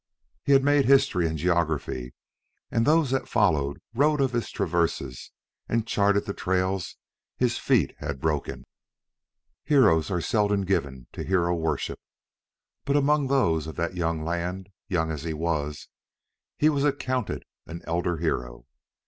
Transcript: He had made history and geography, and those that followed wrote of his traverses and charted the trails his feet had broken. Heroes are seldom given to hero worship, but among those of that young land, young as he was, he was accounted an elder hero.